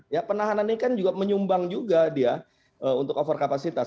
ya penahanan ini kan juga menyumbang juga dia untuk over kapasitas